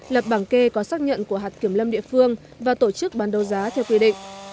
lập bảng kê có xác nhận của hạt kiểm lâm địa phương và tổ chức bán đấu giá theo quy định